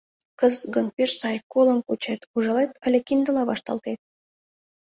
Кызыт гын, пеш сай: колым кучет — ужалет але киндыла вашталтет.